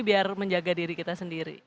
biar menjaga diri kita sendiri